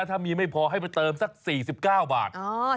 ถ้ามีไม่พอให้ไปเติมสัก๔๙บาท